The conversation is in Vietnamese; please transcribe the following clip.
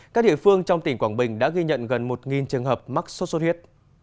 các địa phương trong tỉnh quảng bình đã ghi nhận gần một trường hợp mắc sốt xuất huyết